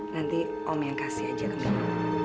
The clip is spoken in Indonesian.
nanti om yang kasih aja ke milo